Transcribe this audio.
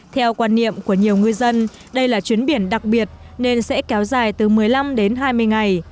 theo quan niệm của nhiều ngư dân đây là chuyến biển đặc biệt nên sẽ kéo dài từ một mươi năm đến hai mươi ngày